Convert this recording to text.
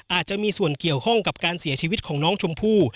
อาจจะมีส่วนเกี่ยวข้องกับการเสียชีวิตของน้องชมพู่